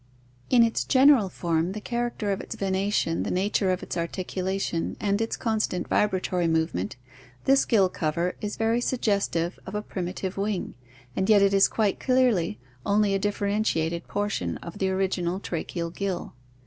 In its general form, the character of its venation, the nature of its articulation, and its constant vibratory movement, this gill cover is very suggestive of a primitive wing, and yet it is quite clearly only a differen tiated portion of the original tracheal gill.